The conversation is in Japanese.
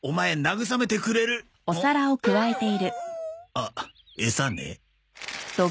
あっエサね。